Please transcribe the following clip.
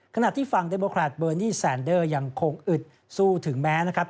ขณะที่ฝั่งเดโมแครตเบอร์นี่แซนเดอร์ยังคงอึดสู้ถึงแม้นะครับ